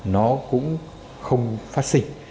nó cũng không phát sinh